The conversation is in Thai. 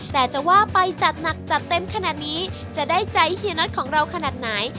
แต่จะว่าไปจัดหนักจัดเต็มขนาดนี้จะได้ใจเฮียน็อตของเราขนาดไหน